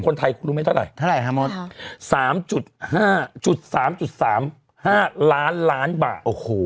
๓๓๕๕ล้านบาท